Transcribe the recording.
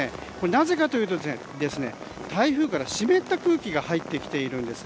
なぜかというと、台風から湿った空気が入ってきているんです。